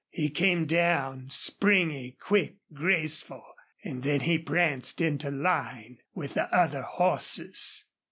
He came down, springy quick, graceful, and then he pranced into line with the other horses.